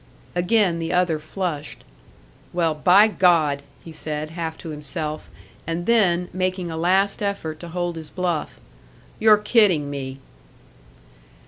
Again the other flushed. "Well, by God!" he said, half to himself; and then, making a last effort to hold his bluff "You're kidding me!"